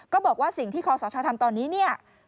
ก็บอกว่าสิ่งที่คศทำตอนนี้